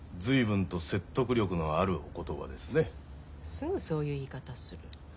すぐそういう言い方する。